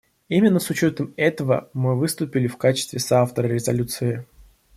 Именно с учетом этого мы выступили в качестве соавтора резолюции.